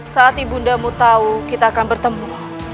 saat ibu dinda mau tahu kita akan bertemu